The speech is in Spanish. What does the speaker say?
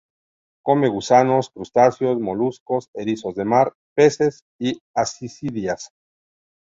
Come gusanos, crustáceos, moluscos, erizos de mar, peces y ascidias.